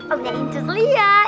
oh ya itu lihat